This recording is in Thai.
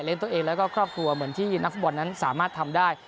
ตัวเองแล้วก็ครอบครัวเหมือนที่นักฟุตบอลนั้นสามารถทำได้